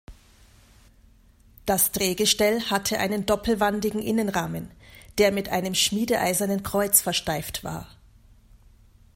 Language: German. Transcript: Das Drehgestell hatte einen doppelwandigen Innenrahmen, der mit einem schmiedeeisernen Kreuz versteift war.